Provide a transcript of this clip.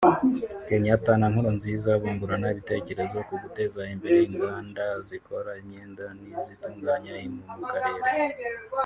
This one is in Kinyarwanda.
Kenyatta na Nkurunziza bungurana ibitekerezo ku guteza imbere inganda zikora imyenda n’izitunganya impu mu Karere